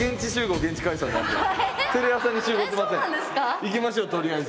行きましょうとりあえず。